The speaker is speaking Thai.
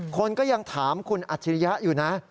คนก็ยังถามคุณอัจฉริยะอยู่นะ